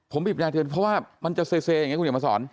ผมบีบแต่เตือนเพราะว่ามันจะเซเซอยังไงคุณเดียวมาสอน